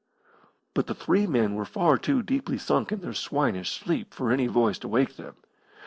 But the three men were far too deeply sunk in their swinish sleep for any voice to wake them.